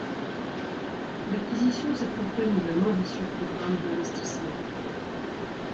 L'acquisition s'accompagne d'un ambitieux programme d'investissement.